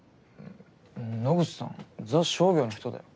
野口さんザ・商業の人だよ。